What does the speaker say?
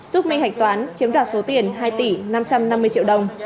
giúp my hạch toán chiếm đoạt số tiền hai tỷ năm trăm năm mươi triệu đồng